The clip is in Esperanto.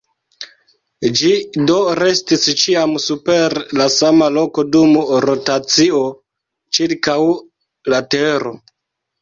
Ĝi do restis ĉiam super la sama loko dum rotacio ĉirkaŭ la tero.